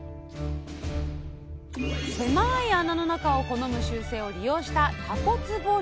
狭い穴の中を好む習性を利用したたこつぼ漁。